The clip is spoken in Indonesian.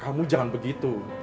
kamu jangan begitu